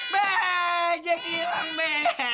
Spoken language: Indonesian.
be jeki hilang be